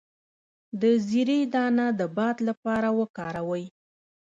د زیرې دانه د باد لپاره وکاروئ